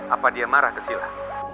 apa dia marah ke sila